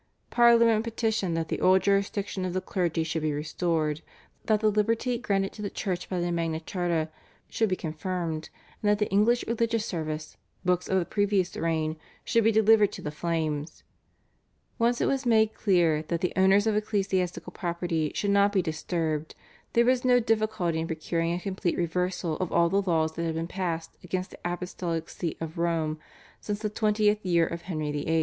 Parliament petitioned that the old jurisdiction of the clergy should be restored, that the liberty granted to the Church by the Magna Charta should be confirmed, and that the English religious service books of the previous reign should be delivered to the flames. Once it was made clear that the owners of ecclesiastical property should not be disturbed there was no difficulty in procuring a complete reversal of all the laws that had been passed against the apostolic See of Rome since the twentieth year of Henry VIII.